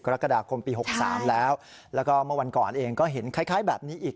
กรกฎาคมปี๖๓แล้วแล้วก็เมื่อวันก่อนเองก็เห็นคล้ายแบบนี้อีก